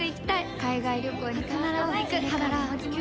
「海外旅行に必ず行く！給料ＵＰ！」